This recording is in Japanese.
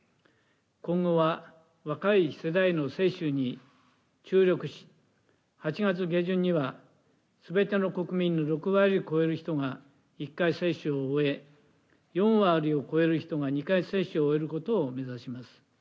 今後は若い世代の接種に注力し、８月下旬には、すべての国民の６割を超える人が１回接種を終え、４割を超える人が２回接種を終えることを目指します。